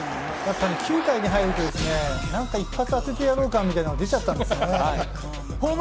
９回に入ると、何か一発当ててやろう感が出ちゃったんですよね。